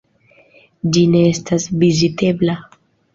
Ĝi ne estas vizitebla.